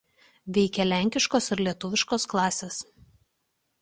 Veikia lenkiškos ir lietuviškos klasės.